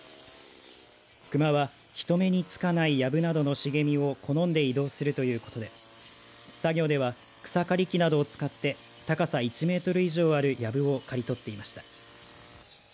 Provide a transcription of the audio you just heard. クマは人目につかないやぶなどの茂みを好んで移動するということで作業では草刈り機などを使って高さ１メートル以上あるやぶを刈り取っていました。